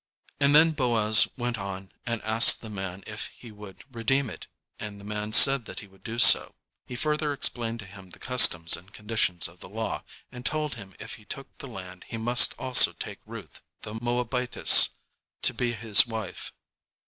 "_ And then Boaz went on and asked the man if he would redeem it, and the man said that he would do so. He further explained to him the customs and conditions of the law, and told him if he took the land he must also take Ruth the Moabitess to be his wife.